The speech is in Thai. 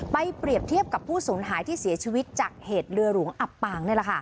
เปรียบเทียบกับผู้สูญหายที่เสียชีวิตจากเหตุเรือหลวงอับปาง